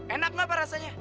enak gak perasanya